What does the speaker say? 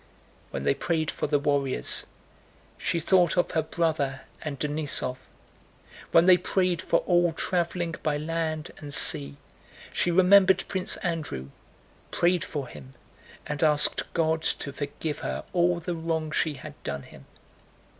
When they prayed for the warriors, she thought of her brother and Denísov. When they prayed for all traveling by land and sea, she remembered Prince Andrew, prayed for him, and asked God to forgive her all the wrongs she had done him.